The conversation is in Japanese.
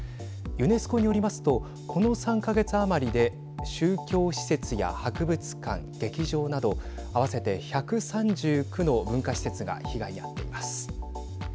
ユネスコによりますとこの３か月余りで宗教施設や博物館劇場など合わせて１３９の文化施設が被害に遭っています。